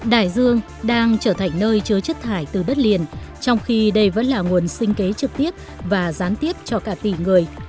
đại dương đang trở thành nơi chứa chất thải từ đất liền trong khi đây vẫn là nguồn sinh kế trực tiếp và gián tiếp cho cả tỷ người